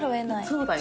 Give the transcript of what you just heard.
そうだよ。